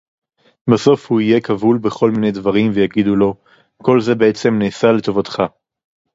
בסוף הוא יהיה כבול בכל מיני דברים ויגידו לו: כל זה בעצם נעשה לטובתך